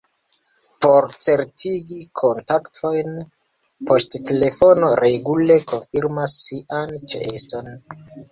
Por certigi kontakton poŝtelefono regule konfirmas sian ĉeeston.